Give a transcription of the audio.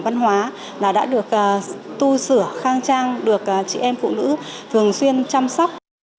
văn hóa là đã được tu sửa khang trang được chị em phụ nữ thường xuyên chăm sóc